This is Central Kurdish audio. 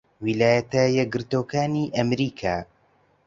ویلایەتە یەکگرتووەکانی ئەمریکا